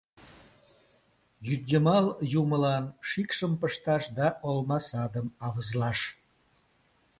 — Йӱдйымал юмылан шикшым пышташ да олма садым авызлаш.